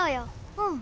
うん。